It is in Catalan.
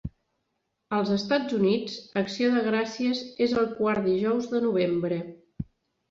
Als Estats Units, Acció de Gràcies és el quart dijous de novembre.